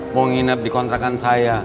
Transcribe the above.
mau nginep di kontrakan saya